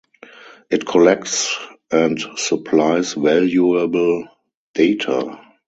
It collects and supplies valuable data.